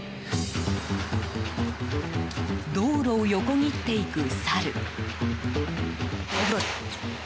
道路を横切っていくサル。